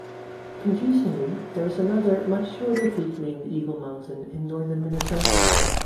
Confusingly, there is another, much shorter, peak named Eagle Mountain in northern Minnesota.